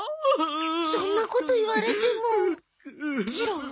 そんなこと言われても。